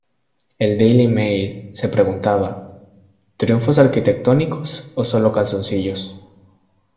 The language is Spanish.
El Daily Mail se preguntaba: "Triunfos arquitectónicos o solo calzoncillos?